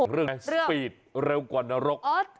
เรื่องปีดเร็วกว่านรก